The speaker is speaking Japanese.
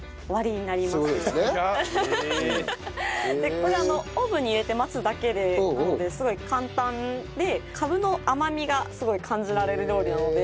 これあのオーブンに入れて待つだけなのですごい簡単でカブの甘みがすごい感じられる料理なので。